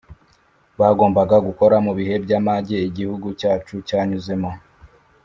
bagombaga gukora mu bihe by amage Igihugu cyacu cyanyuzemo